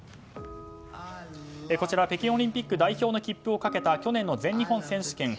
こちら、北京オリンピック代表の切符をかけた去年の全日本選手権